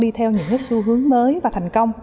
đi theo những xu hướng mới và thành công